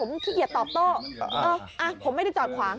ขี้เกียจตอบโต้เอออ่ะผมไม่ได้จอดขวาง